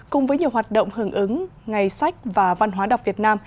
cùng với nhiều hoạt động hưởng ứng ngày sách và văn hóa đọc việt nam